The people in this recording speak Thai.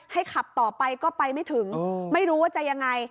ขับต่อไปก็ไปไม่ถึงไม่รู้ว่าจะยังไง